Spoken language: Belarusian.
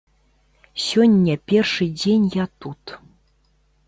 Сёння першы дзень я тут.